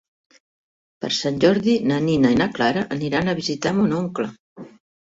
Per Sant Jordi na Nina i na Clara aniran a visitar mon oncle.